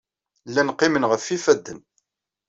Llan qqimen ɣef yifadden.